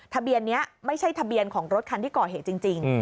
ทะเบียนนี้ไม่ใช่ทะเบียนของรถคันที่ก่อเหตุจริง